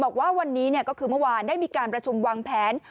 บอกว่าวันนี้ก็คือเมื่อวานได้มีการประชุมวางแผน